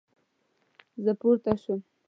زه پورته شوم